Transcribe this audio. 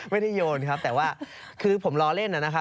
ไม่ได้โยนครับแต่ว่าคือผมล้อเล่นน่ะ